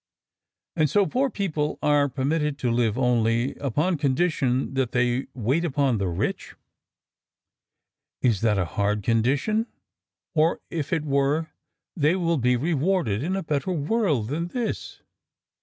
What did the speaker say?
"And so poor people are permitted to live only upon condition that they wait upon the rich?" "Is that a hard condition; or if it were, they will be rewarded in a better world than this?"